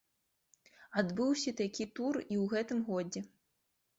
Адбыўся такі тур і ў гэтым годзе.